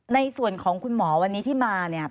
ในส่วนของคุณหมอวันนี้ที่มาเนี่ย